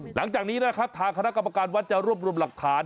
หลังจากนี้นะครับทางคณะกรรมการวัดจะรวบรวมหลักฐาน